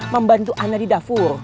membantu ana di dapur